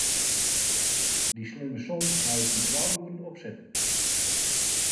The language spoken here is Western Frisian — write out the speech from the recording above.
Dy slimme som haw ik twa oeren op sitten.